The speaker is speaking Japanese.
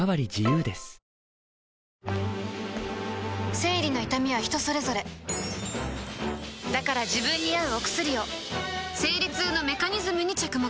生理の痛みは人それぞれだから自分に合うお薬を生理痛のメカニズムに着目